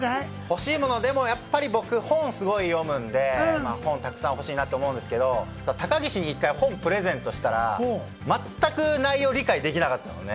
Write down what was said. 僕、本をすごく読むんで本がたくさん欲しいなと思うんですけど、高岸に一回、本をプレゼントしたら全く内容を理解できなかったもんね。